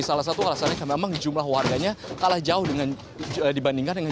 salah satu alasannya memang jumlah warganya kalah jauh dibandingkan